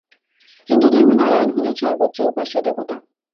হিন্দুধর্মে নারায়ণ হলেন সর্বোচ্চ উপাস্য দেবতা।